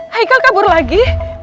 haikal kabur lagi